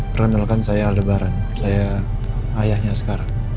perendalkan saya aldebaran saya ayahnya askara